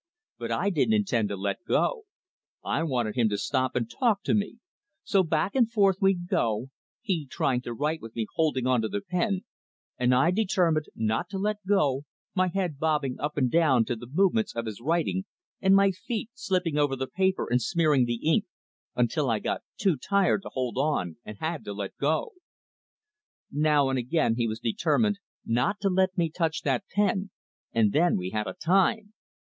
But I didn't intend to let go; I wanted him to stop and talk to me, so back and forth we'd go, he trying to write with me holding onto the pen, and I determined not to let go, my head bobbing up and down to the movements of his writing and my feet slipping over the paper and smearing the ink, until I got too tired to hold on and had to let go. Now and again he was determined not to let me touch that pen, and then we had a time.